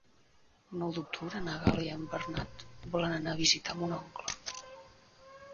El nou d'octubre na Gal·la i en Bernat volen anar a visitar mon oncle.